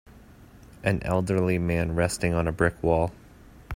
An elderly man resting on a brick wall.